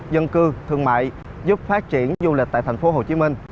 dân cư thương mại giúp phát triển du lịch tại tp hcm